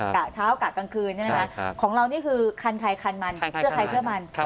กะเช้ากะกลางคืนใช่ไหมคะของเรานี่คือคันใครคันมันเสื้อใครเสื้อมัน